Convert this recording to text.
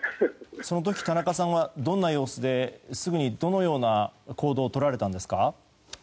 その時、田中さんはどんな様子ですぐにどのような行動をとられたんですか？